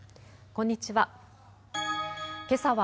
こんにちは。